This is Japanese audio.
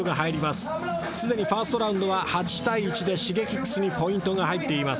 すでにファーストラウンドでは８対１でＳｈｉｇｅｋｉｘにポイントが入っています。